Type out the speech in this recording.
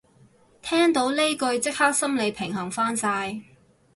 聽到呢句即刻心理平衡返晒